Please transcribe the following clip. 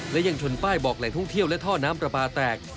และยังชนป้ายบอกแหล่งท่องเที่ยวและท่อน้ำปลาปลาแตก